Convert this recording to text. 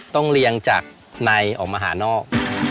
เรียงจากในออกมาหานอก